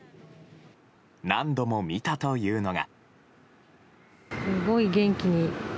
何度も見たというのが。